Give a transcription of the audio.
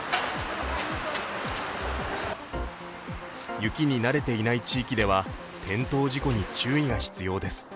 雪に慣れていない地域では転倒事故に注意が必要です。